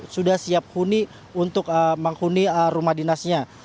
sudah siap huni untuk menghuni rumah dinasnya